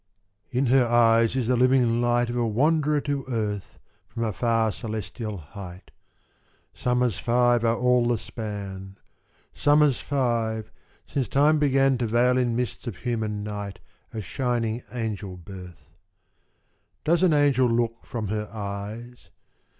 In her eyes is the living light Of a wanderer to earth From a far celestial height: Summers five are all the span Summers five since Time began To veil in mists of human night A shining angel birth. Does an angel look from her eyes?